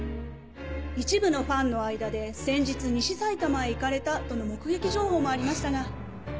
一部のファンの間で先日西さいたまへ行かれたとの目撃情報もありましたが。